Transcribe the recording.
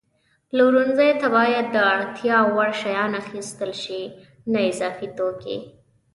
پلورنځي ته باید د اړتیا وړ شیان اخیستل شي، نه اضافي توکي.